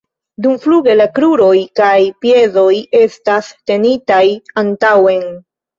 Dumfluge la kruroj kaj piedoj estas tenitaj antaŭen.